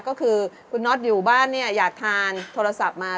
ก็คือคุณน็อตอยู่บ้านเนี่ยอยากทานโทรศัพท์มา